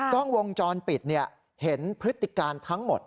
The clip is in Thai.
กล้องวงจรปิดเห็นพฤติการทั้งหมด